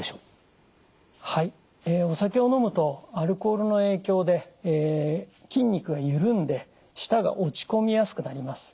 お酒を飲むとアルコールの影響で筋肉がゆるんで舌が落ち込みやすくなります。